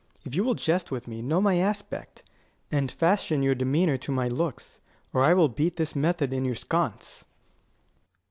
If you will jest with me, know my aspect, And fashion your demeanour to my looks, Or I will beat this method in your sconce.